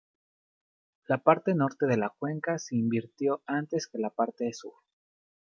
La parte norte de la cuenca se invirtió antes que la parte sur.